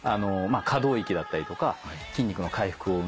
可動域だったりとか筋肉の回復を促して。